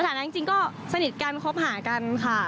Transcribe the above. ฐานะจริงก็สนิทกันคบหากันค่ะ